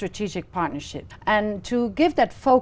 vậy các bạn nghĩ về hà nội